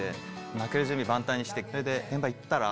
泣ける準備万端にしてそれで現場行ったら。